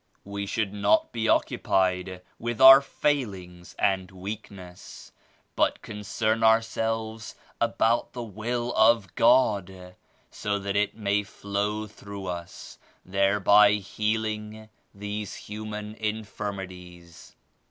"We should not be occupied with our fail ings* and weakness but concern ourselves about the Will of God so that It may flow through us, thereby healing these human infirmities."